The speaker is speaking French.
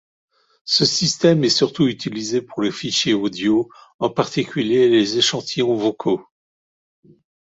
Ce système est surtout utilisé pour les fichiers audio, en particulier les échantillons vocaux.